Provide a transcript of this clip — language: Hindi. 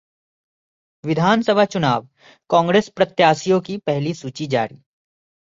विस चुनाव: कांग्रेस प्रत्याशियों की पहली सूची जारी